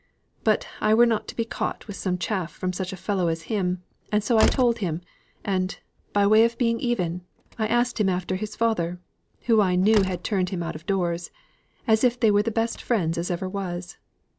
But I were not to be caught with such chaff from such a fellow as him, and so I told him; and, by way of being even, I asked him after his father (who I knew had turned him out of doors), as if they were the best friends as ever was.